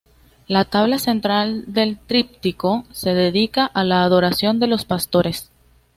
La tabla central del "Tríptico" se dedica a la Adoración de los pastores.